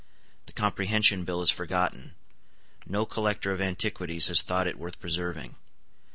The Comprehension Bill is forgotten. No collector of antiquities has thought it worth preserving.